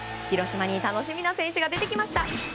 広島に楽しみな選手が出てきました。